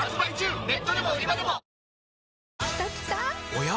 おや？